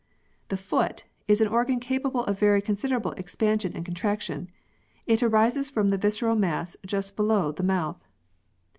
The Foot is an organ capable of very consider able expansion and contraction. It arises from the visceral mass just below the mouth.